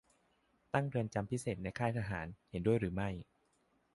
ตั้งเรือนจำพิเศษในค่ายทหาร เห็นด้วยหรือไม่ ?